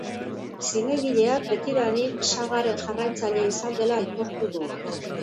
Zinegileak betidanik sagaren jarraitzaile izan dela aitortu du.